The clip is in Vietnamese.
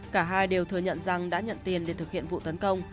cả hai đều thừa nhận rằng đã nhận tiền để thực hiện vụ tấn công